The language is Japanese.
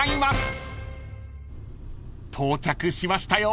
［到着しましたよ］